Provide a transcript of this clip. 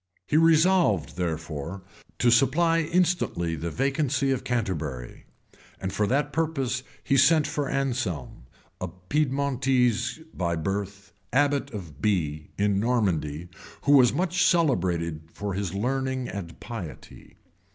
[] He resolved, therefore, to supply instantly the vacancy of Canterbury; and for that purpose he sent for Anselm, a Piedmontese by birth, abbot of Bee, in Normandy, who was much celebrated for his learning and piety.